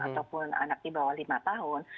ataupun anak di bawah lima tahun